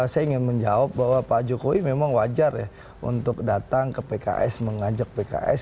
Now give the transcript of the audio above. saya ingin menjawab bahwa pak jokowi memang wajar ya untuk datang ke pks mengajak pks